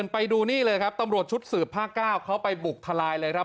ไปดูนี่เลยครับตำรวจชุดสืบภาค๙เขาไปบุกทลายเลยครับ